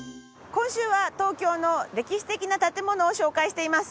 今週は東京の歴史的な建物を紹介しています。